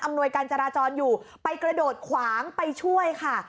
หน่วยการจราจรอยู่ไปกระโดดขวางไปช่วยค่ะ